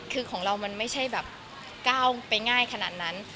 คือของเรามันไม่ใช่แบบก้าวไปง่ายขนาดนั้น